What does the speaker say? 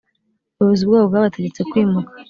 Ubuyobozi bwabo bwabategetse kwimuka.